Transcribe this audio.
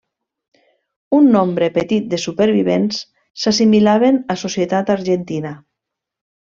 Un nombre petit de supervivents s'assimilaven a societat argentina.